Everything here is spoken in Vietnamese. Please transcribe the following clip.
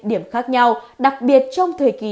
điểm khác nhau đặc biệt trong thời kỳ